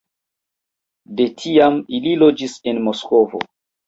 De tiam li loĝis en Moskvo.